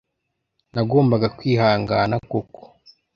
nagombaga kwihangana kuko